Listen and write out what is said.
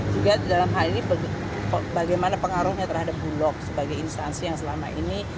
juga dalam hal ini bagaimana pengaruhnya terhadap bulog sebagai instansi yang selama ini